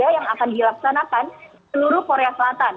yang akan dilaksanakan di seluruh korea selatan